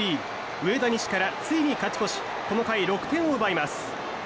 上田西からついに勝ち越しこの回、６点を奪います。